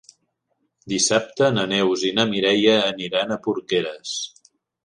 Dissabte na Neus i na Mireia aniran a Porqueres.